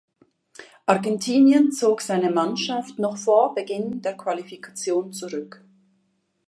Argentinien zog seine Mannschaft noch vor Beginn der Qualifikation zurück.